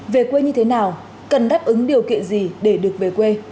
về quê như thế nào cần đáp ứng điều kiện gì để được về quê